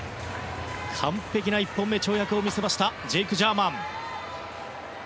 完璧な１本目の跳躍を見せたジェイク・ジャーマン。